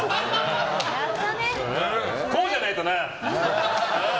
こうじゃないとな！